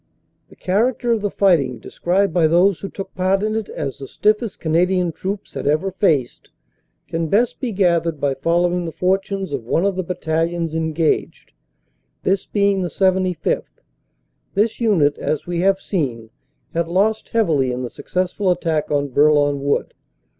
The character of the righting, described by those who took part in it as the stiffest Canadian troops had ever faced, can best be gathered by following the fortunes of one of the bat talions engaged, this being the 75th. This unit, as we have seen, had lost heavily in the successful attack on Bourlon Wood.